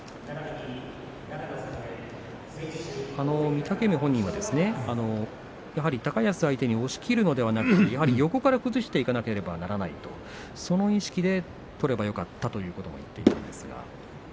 御嶽海本人はですね、やはり高安相手に押しきるのではなく横から崩していかなければならないとその意識で取ればよかったということも言っていたんですが。